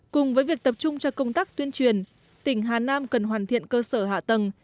cùng với việc tập trung cho công tác tuyên truyền tỉnh hà nam cần hoàn thiện cơ sở hạng